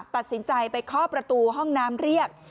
ตัดสินใจไปเคาะประตูห้องน้ำเรียก